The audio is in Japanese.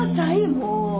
もう。